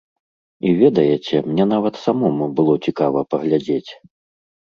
І ведаеце, мне нават самому было цікава паглядзець.